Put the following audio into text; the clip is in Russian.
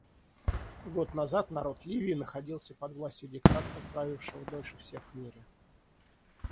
Год назад народ Ливии находился под властью диктатора, правившего дольше всех в мире.